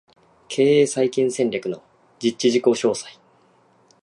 経営再建戦略の実施事項詳細